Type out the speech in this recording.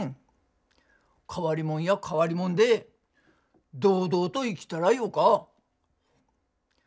変わりもんや変わりもんで堂々と生きたらよか。